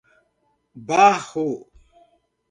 Barro